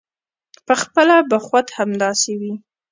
پخپله به خود همداسې وي.